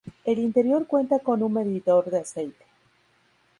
El interior cuenta con un medidor de aceite.